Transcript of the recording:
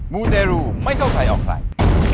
มูเตรูไม่เข้าใครออกใคร